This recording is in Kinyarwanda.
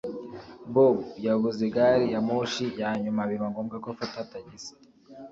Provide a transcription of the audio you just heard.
Bob yabuze gari ya moshi ya nyuma biba ngombwa ko afata tagisi.